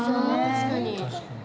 確かに。